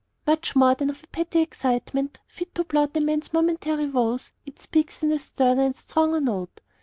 Much more than of a petty excitement, fit to blot a man's momentary woes, it speaks in a sterner and a stronger note.